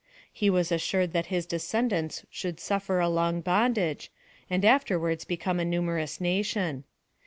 He was assured that his descendants should suffer a long bondage, and afterwards become a numerous nation.